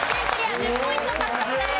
１０ポイント獲得です。